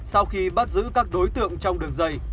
sau khi bắt giữ các đối tượng trong đường dây